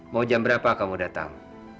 mau jam berapa kamu datang